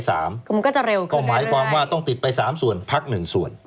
คือมันก็จะเร็วขึ้นก็หมายความว่าต้องติดไป๓ส่วนพักหนึ่งส่วน